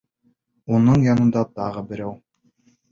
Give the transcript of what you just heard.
Уның янында тағы берәү.